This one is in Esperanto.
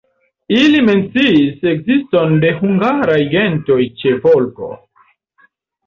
Ili menciis ekziston de hungaraj gentoj ĉe Volgo.